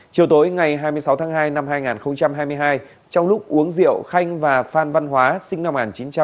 chiều tối ngày hai mươi sáu tháng hai năm hai nghìn hai mươi hai trong lúc uống rượu khanh và phan văn hóa sinh năm một nghìn chín trăm tám mươi hai